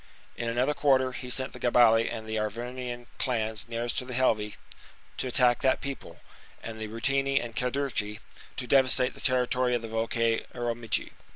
In another quarter, he sent the Gabali and the Arvernian clans nearest to the Helvii to attack that people, and the Ruteni and Cadurci to devastate the territory of the Volcae Arecomici.